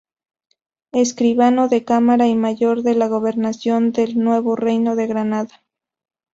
Escribano de cámara y Mayor de la Gobernación del Nuevo Reino de Granada.